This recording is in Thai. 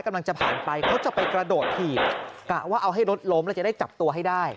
กำลังจะผ่านไปเขาจะไปกระโดดถีบกะว่าเอาให้รถล้มแล้วจะได้จับตัวให้ได้